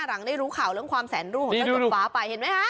หลังได้รู้ข่าวเรื่องความแสนรู้ของเจ้ากดฟ้าไปเห็นไหมคะ